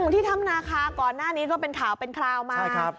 ที่ถ้ำนาคาก่อนหน้านี้ก็เป็นข่าวเป็นคราวมา